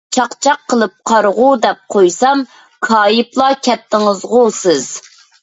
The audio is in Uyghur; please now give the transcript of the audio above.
چاقچاق قىلىپ «قارىغۇ» دەپ قويسام، كايىپلا كەتتىڭىزغۇ سىز.